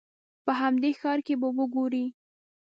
په همدې ښار کې به وګورې.